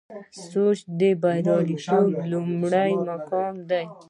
سوچ د بریالیتوب لومړی ګام دی.